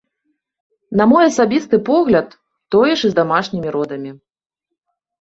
На мой асабісты погляд, тое ж і з дамашнімі родамі.